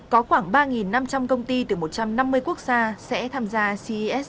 có khoảng ba năm trăm linh công ty từ một trăm năm mươi quốc gia sẽ tham gia ces hai nghìn hai mươi bốn